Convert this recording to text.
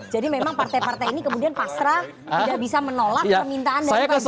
jadi memang partai partai ini kemudian pasrah tidak bisa menolak permintaan dari pak jokowi